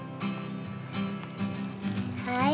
はい。